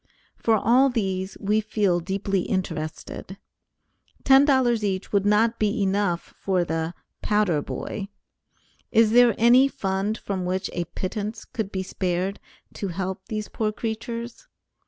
For all these, we feel deeply interested; $10 each would not be enough for the "powder boy." Is there any fund from which a pittance could be spared to help these poor creatures?